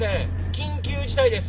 緊急事態です。